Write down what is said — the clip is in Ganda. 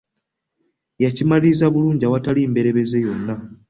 Yakimaliriza bulungi awatali mberebezi yonna!